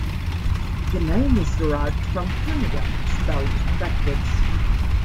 The name is derived from Canada, spelled backwards.